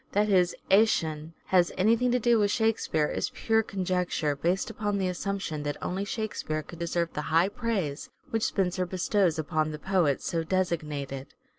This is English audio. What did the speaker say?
That his " Action " has any thing to do with Shakespeare is pure conjecture, based upon the assumption that only "Shakespeare " could deserve the high praise which Spenser bestows upon the poet so designated.